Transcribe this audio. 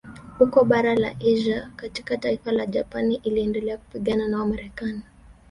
Huko bara la Asia katika taifa la Japani iliendelea kupigana na Wamarekani